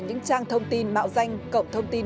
những trang thông tin mạo danh cộng thông tin